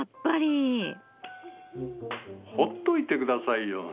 ほっといてくださいよ。